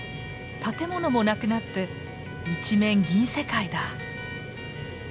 建物もなくなって一面銀世界だ！